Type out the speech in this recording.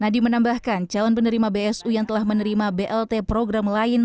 nadiem menambahkan calon penerima bsu yang telah menerima blt program lain